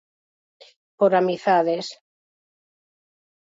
Por amizades.